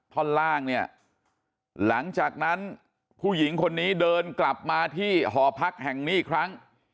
ท่อนล่างเนี่ยหลังจากนั้นผู้หญิงคนนี้เดินกลับมาที่หอพักแห่งนี้อีกครั้ง